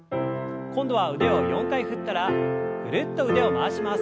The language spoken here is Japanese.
今度は腕を４回振ったらぐるっと腕を回します。